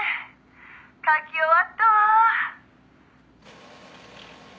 書き終わったわ」